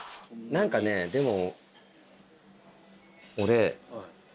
何かねでも。